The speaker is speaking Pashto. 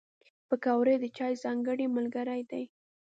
پکورې د چای ځانګړی ملګری دی